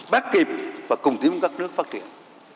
bắt kịp và cùng tìm các nước phát triển